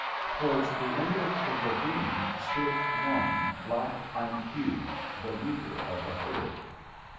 Towards the end of the ravine stood one black and huge, the leader of the herd.